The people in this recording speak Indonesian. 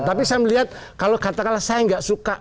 tapi saya melihat kalau katakanlah saya nggak suka